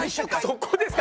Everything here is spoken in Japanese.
そこですか？